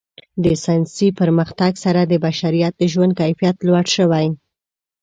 د ساینسي پرمختګ سره د بشریت د ژوند کیفیت لوړ شوی.